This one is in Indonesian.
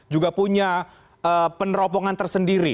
juga punya peneropongan tersendiri